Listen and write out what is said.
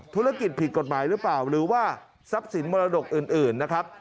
ธุรกิจผิดกฎหมายหรือเปล่าหรือว่าทรัพย์สินมรดกอื่นนะครับ